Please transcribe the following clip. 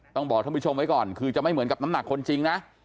ต้องบอกท่านผู้ชมไว้ก่อนคือจะไม่เหมือนกับน้ำหนักคนจริงนะ